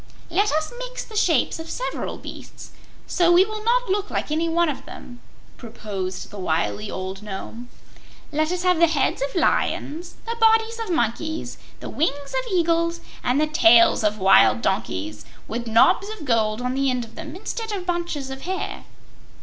"Let us mix the shapes of several beasts, so we will not look like any one of them," proposed the wily old Nome. "Let us have the heads of lions, the bodies of monkeys, the wings of eagles and the tails of wild asses, with knobs of gold on the end of them instead of bunches of hair."